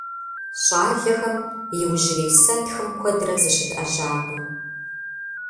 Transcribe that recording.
ЩIалэхэм иужьрей сэнтхым куэдрэ зыщытIэжьакъым.